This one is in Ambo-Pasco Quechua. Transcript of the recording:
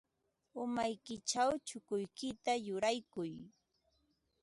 Umaykićhaw chukuykita churaykuy.